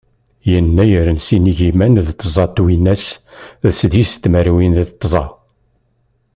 Yennayer n sin igiman d tẓa twinas d seddis tmerwin d tẓa.